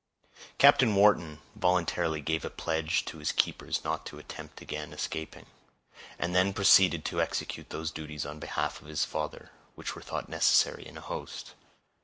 Captain Wharton voluntarily gave a pledge to his keepers not to attempt again escaping, and then proceeded to execute those duties on behalf of his father, which were thought necessary in a host.